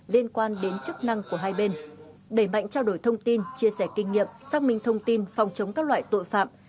liên quan đến chức năng của hai bên đẩy mạnh trao đổi thông tin chia sẻ kinh nghiệm xác minh thông tin phòng chống các loại tội phạm